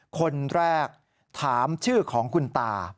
คนแรกถามชื่อของคุณตา